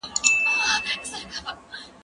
زه پرون د ښوونځی لپاره امادګي نيسم وم؟!